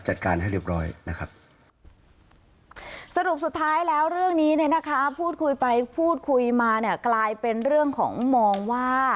ช่วงคุยไปผู้คุยมากลายเป็นเรื่องห่วงว่า